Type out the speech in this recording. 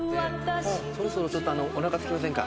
そろそろちょっとおなかすきませんか？